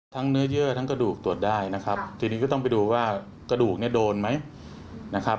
ทั้งเนื้อเยื่อทั้งกระดูกตรวจได้นะครับ